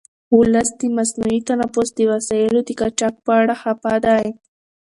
ولس د مصنوعي تنفس د وسایلو د قاچاق په اړه خفه دی.